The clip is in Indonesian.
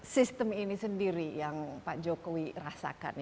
sistem ini sendiri yang pak jokowi rasakan